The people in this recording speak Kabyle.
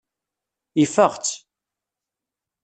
Ifeɣ-tt.